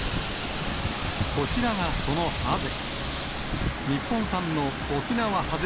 こちらがそのハゼ。